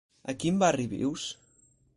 A quin barri vius?